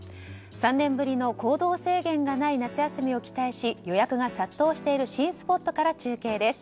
３年ぶりの行動制限がない夏休みを期待し予約が殺到してる新スポットから中継です。